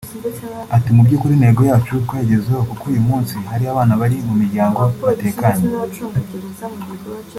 Ati“Mu by’ukuri intego yacu twayigezeho kuko uyu munsi hari abana bari mu miryango batekanye